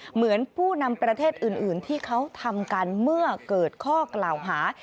เหมือนผู้นำประเทศอื่นที่เขาทำกันเมื่อเกิดข้อกล่าวหา